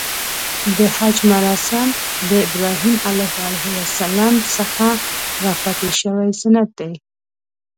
د حج مراسم د ابراهیم ع څخه راپاتې شوی سنت دی .